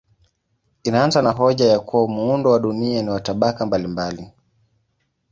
Inaanza na hoja ya kuwa muundo wa dunia ni wa tabaka mbalimbali.